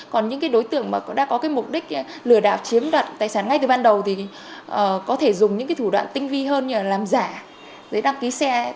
còn những cái đối tượng mà đã có cái mục đích lừa đảo chiếm đoạt tài sản ngay từ ban đầu thì có thể dùng những cái thủ đoạn tinh vi hơn như là làm giả giấy đăng ký xe